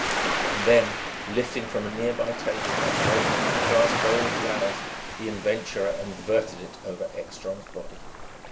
Then, lifting from a near by table a great cut glass bowl of flowers, the adventurer inverted it over Ekstrom's body.